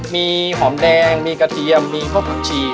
มีหอมแดงมีกระเทียมมีพวกผักชี